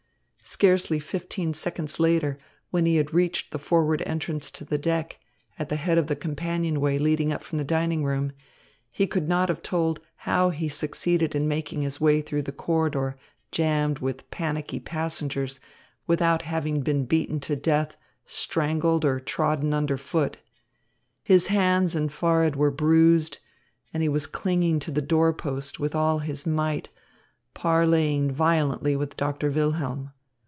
Scarcely fifteen seconds later, when he had reached the forward entrance to the deck, at the head of the companionway leading up from the dining room, he could not have told how he succeeded in making his way through the corridor jammed with panicky passengers without having been beaten to death, strangled, or trodden underfoot. His hands and forehead were bruised, and he was clinging to the door post with all his might, parleying violently with Doctor Wilhelm.